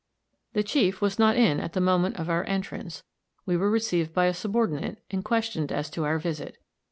The chief was not in at the moment of our entrance; we were received by a subordinate and questioned as to our visit.